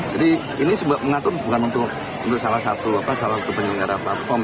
jadi ini sebab mengatur bukan untuk salah satu penyelenggara platform